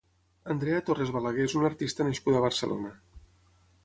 Andrea Torres Balaguer és una artista nascuda a Barcelona.